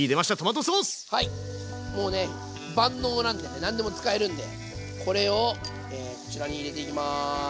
はいもうね万能なんでね何でも使えるんでこれをこちらに入れていきます。